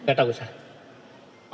tidak tahu pak